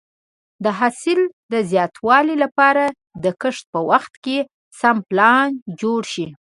د حاصل د زیاتوالي لپاره د کښت په وخت سم پلان جوړ شي.